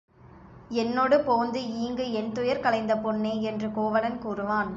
என்னொடு போந்து ஈங்கு என்துயர் களைந்த பொன்னே என்று கோவலன் கூறுவான்.